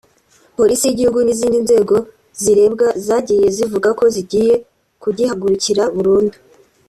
Polisi y’Igihugu n’izindi nzego zirebwa zagiye zivuga ko zigiye kugihagurukira burundu